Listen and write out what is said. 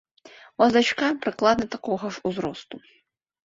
У вас дачка прыкладна такога ж узросту.